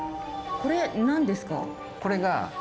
これ何ですか？